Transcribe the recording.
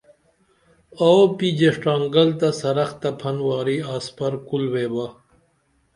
آو پی ژیڜٹانگل تہ سرخ تہ پھن واری آسپر کُل ویباں